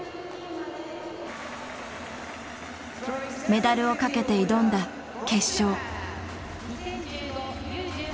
メダルをかけて挑んだ決勝。